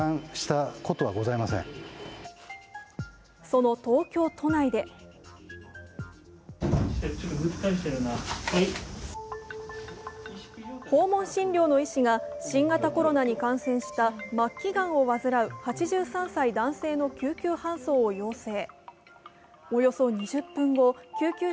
その東京都内で訪問診療の医師が新型コロナに感染した末期がんを患う８３歳男性の救急搬送を要請。